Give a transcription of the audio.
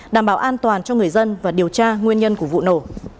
đảm bảo an toàn cho người dân và điều tra nguyên nhân của vụ nổ